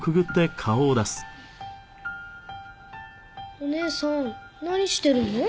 お姉さん何してるの？